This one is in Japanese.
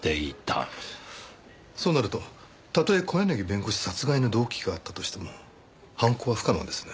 そうなるとたとえ小柳弁護士殺害の動機があったとしても犯行は不可能ですね。